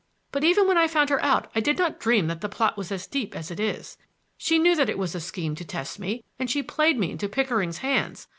But even when I found her out I did not dream that the plot was as deep as it is. She knew that it was a scheme to test me, and she played me into Pickering's hands.